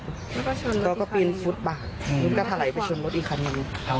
แล้วก็ชนรถอีกคันนี้แล้วก็ปีนฟุตบะอืมหนูก็ถลัยไปชนรถอีกคันนี้